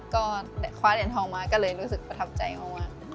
ก็คว้าเด่นทองมาก็เลยรู้สึกประทับใจมาก